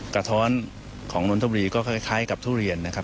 กระท้อนของนนทบุรีก็คล้ายกับทุเรียนนะครับ